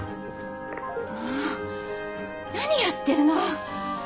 もう何やってるの！